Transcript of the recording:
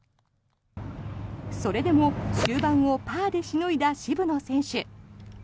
それでも終盤をパーでしのいだ渋野選手。